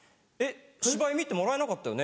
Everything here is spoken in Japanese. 「芝居見てもらえなかったよね？」